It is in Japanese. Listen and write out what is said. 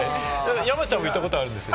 山ちゃんも行ったことあるんですよね？